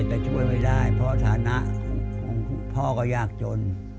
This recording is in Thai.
แต่ช่วยไม่ได้เพราะฐานะของพ่อก็ยากจน